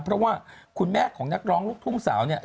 เพราะว่าคุณแม่ของนักร้องลูกทุ่งสาวเนี่ย